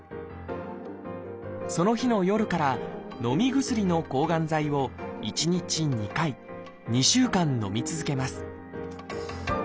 その日の夜からのみ薬の抗がん剤を１日２回２週間のみ続けます。